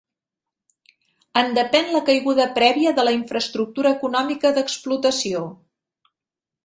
En depèn la caiguda prèvia de la infraestructura econòmica d'explotació.